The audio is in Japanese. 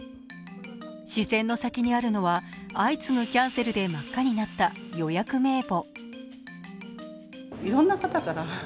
視線の先にあるのは相次ぐキャンセルで真っ赤になった予約名簿。